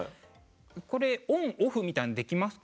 これオンオフみたいのできますか？